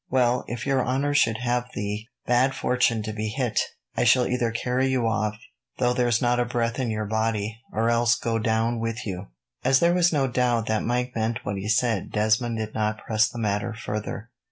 Well, if your honour should have the bad fortune to be hit, I shall either carry you off, though there's not a breath in your body, or else go down with you." As there was no doubt that Mike meant what he said, Desmond did not press the matter further.